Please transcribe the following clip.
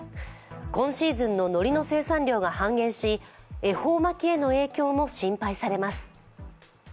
今シーズンののりの生産量が半減し恵方巻きへの影響も心配されます。